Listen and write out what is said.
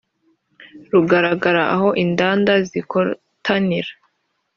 Rugaragara aho Indinda zikotanira